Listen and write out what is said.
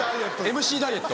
ＭＣダイエット。